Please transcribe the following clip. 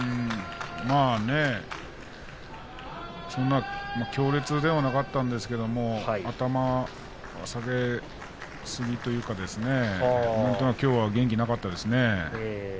そんな強烈ではなかったんですけど頭を下げすぎというかですね何となくきょうは元気がなかったですね。